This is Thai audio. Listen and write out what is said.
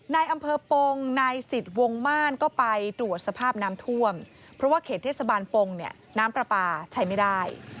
นายอำเภอปงนายสิทธิ์วงม่านก็ไปตรวจสภาพน้ำท่วมเพราะว่าเขตเทศบาลปงเนี่ยน้ำปลาปลาใช้ไม่ได้